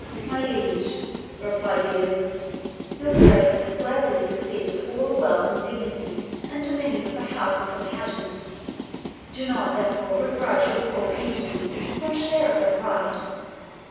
"My liege," replied Edith, "your Grace hath worthily succeeded to all the wealth, dignity, and dominion of the House of Plantagenet do not, therefore, begrudge your poor kinswoman some small share of their pride."